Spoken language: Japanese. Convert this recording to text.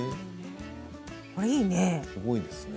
いいね。